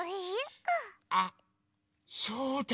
あそうだ！